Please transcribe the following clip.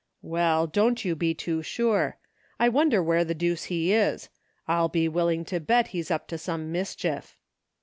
"Well, don't you be too sure. I wonder where the deuce he is. I'll be willing to bet he's up to some mischief."